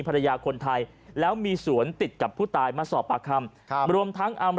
ภรรยาคนไทยแล้วมีสวนติดกับผู้ตายมาสอบปากคำครับรวมทั้งเอา